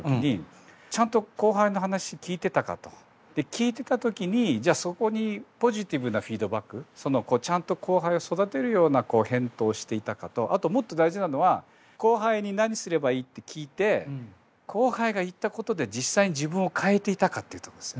聞いてた時にそこにポジティブなフィードバックちゃんと後輩を育てるような返答をしていたかとあともっと大事なのは後輩に何すればいいって聞いて後輩が言ったことで実際に自分を変えていたかっていうとこです。